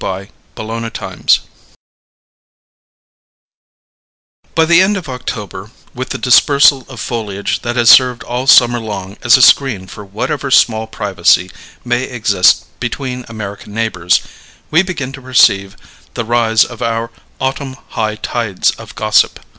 CHAPTER FIFTEEN By the end of October, with the dispersal of foliage that has served all summer long as a screen for whatever small privacy may exist between American neighbours, we begin to perceive the rise of our autumn high tides of gossip.